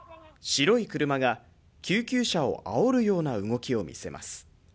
白い車が救急車を煽るような動きを見せます